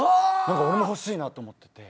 俺もほしいなと思ってて。